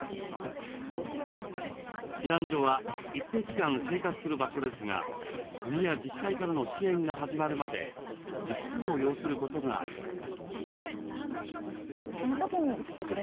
避難所は一定期間生活する場所ですが国や自治体からの支援が始まるまで日数を要することがあります。